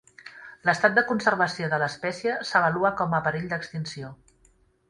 L'estat de conservació de l'espècie s'avalua com a perill d'extinció.